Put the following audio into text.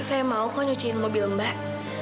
saya mau kok nyuciin mobil mbak